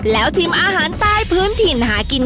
แล้วชิมอาหารใต้พื้นถิ่นหากิน